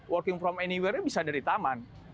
working from anywhere nya bisa dari taman